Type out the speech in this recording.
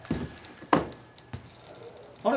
あれ？